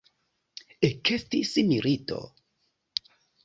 Ekestis milito.